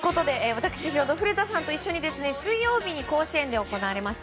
私ヒロド古田さんと一緒に水曜日に甲子園で行われました